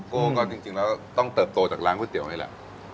ก็ต้องเติบโตจากร้านข้าวเตี๋ยวไงละ